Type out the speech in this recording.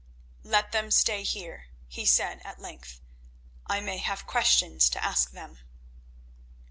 "Let them stay here," he said at length. "I may have questions to ask them."